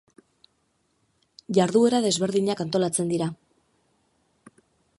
Jarduera desberdinak antolatzen dira.